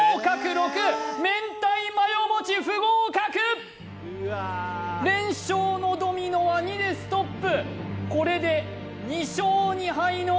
６明太マヨモチ不合格連勝のドミノは２でストップ